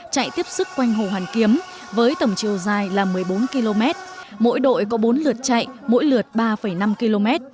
chạy tiếp sức quanh hồ hoàn kiếm với tầm chiều dài là một mươi bốn km mỗi đội có bốn lượt chạy mỗi lượt ba năm km